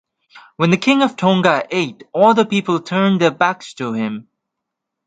When the king of Tonga ate, all the people turned their backs to him.